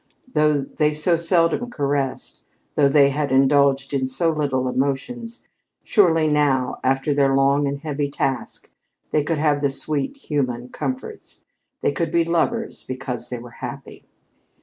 Though they so seldom caressed, though they had indulged so little in emotion, surely now, after their long and heavy task, they could have the sweet human comforts. They could be lovers because they were happy.